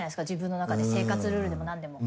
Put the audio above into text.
自分の中で生活ルールでも。